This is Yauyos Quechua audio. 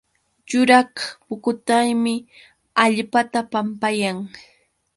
Yuraq pukutaymi allpata pampayan